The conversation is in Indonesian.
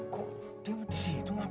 kok dia disitu ngapain